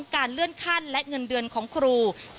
การเลื่อนขั้นและเงินเดือนของครู